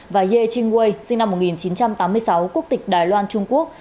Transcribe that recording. và ye ching way sinh năm một nghìn chín trăm tám mươi sáu quốc tịch đài loan trung quốc